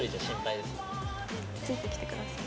ついてきてください。